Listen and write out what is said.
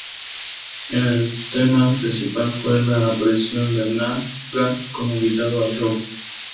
El tema principal fue la aparición de Na-Ga como invitado al show.